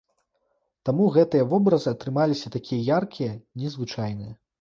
Таму гэтыя вобразы атрымаліся такія яркія, незвычайныя.